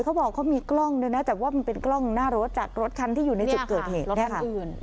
เขาบอกเขามีกล้องด้วยนะแต่ว่ามันเป็นกล้องหน้ารถจากรถคันที่อยู่ในจุดเกิดเหตุเนี่ยค่ะ